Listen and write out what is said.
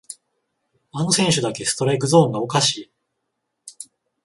あの選手だけストライクゾーンがおかしい